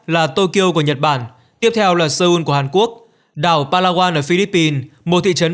là tokyo của nhật bản tiếp theo là seoul của hàn quốc đảo palawan ở philippines một thị trấn